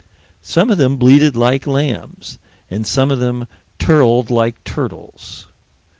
Some of them bleated like lambs, and some of them turled like turtles.